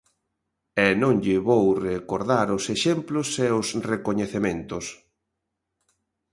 E non lle vou recordar os exemplos e os recoñecementos.